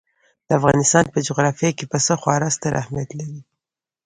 د افغانستان په جغرافیه کې پسه خورا ستر اهمیت لري.